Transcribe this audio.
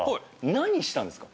何したんですか？